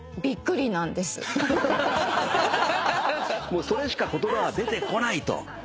もうそれしか言葉が出てこないと。